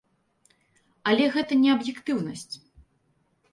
Але гэта не аб'ектыўнасць.